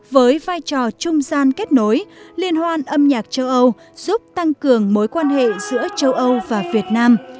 với vai trò trung gian kết nối liên hoan âm nhạc châu âu giúp tăng cường mối quan hệ giữa châu âu và việt nam